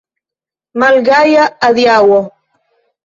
Malgaja adiaŭo!